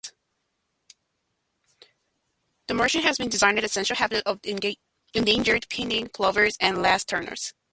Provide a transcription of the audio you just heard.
The marsh has been designated essential habitat for endangered piping plovers and least terns.